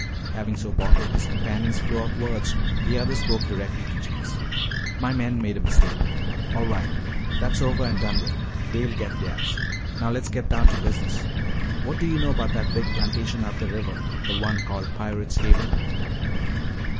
Having so bottled his companion's flow of words, the other spoke directly to Jeems. "My men made a mistake. All right. That's over and done with; they'll get theirs. Now let's get down to business. What do you know about that big plantation up river, the one called 'Pirate's Haven'?"